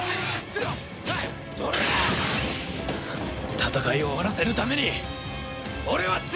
戦いを終わらせるために俺は強くなる！